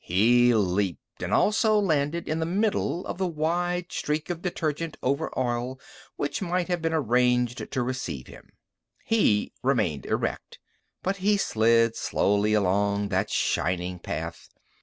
He leaped and also landed in the middle of the wide streak of detergent over oil which might have been arranged to receive him. He remained erect, but he slid slowly along that shining path.